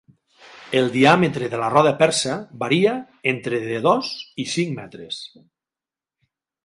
El diàmetre de la roda persa varia entre de dos i cinc metres.